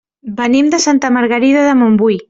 Venim de Santa Margarida de Montbui.